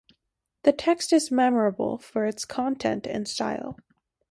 The text is memorable for its content and style.